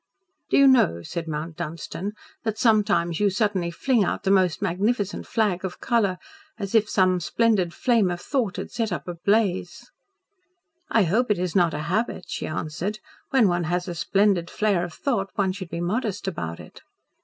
"Do you know," said Mount Dunstan, "that sometimes you suddenly fling out the most magnificent flag of colour as if some splendid flame of thought had sent up a blaze?" "I hope it is not a habit," she answered. "When one has a splendid flare of thought one should be modest about it."